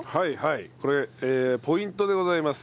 これポイントでございます。